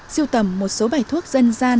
siêu tầm một số bài thuốc dân gian